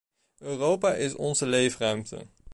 Europa is onze leefruimte.